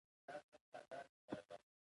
خو هر مصرفي ارزښت لرونکی شی توکی نه دی.